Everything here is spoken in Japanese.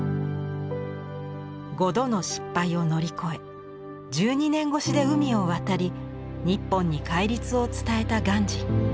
５度の失敗を乗り越え１２年越しで海を渡り日本に戒律を伝えた鑑真。